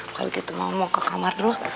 kalau gitu mau ke kamar dulu